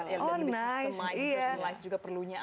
lebih customized personalized juga perlunya